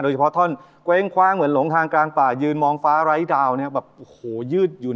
โดยเฉพาะท่อนกว้างอย่างโหล้งทางกลางป่ายืนมองฟ้าไร้ดาวนแบบ